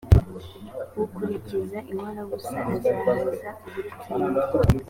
ukurikiza inkorabusa azahaga ubutindi